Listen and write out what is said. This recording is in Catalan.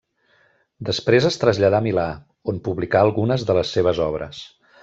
Després es traslladà a Milà, on publicà algunes de les seves obres.